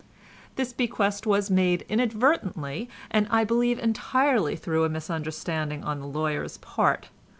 This bequest was made inadvertently, and, I believe, entirely through a misunderstanding on the lawyer's part.